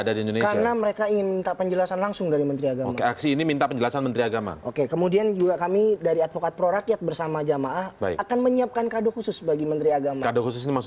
dibagikan kepada para jamaah itu